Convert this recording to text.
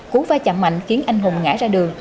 cú va chạm mạnh khiến anh hùng ngã ra đường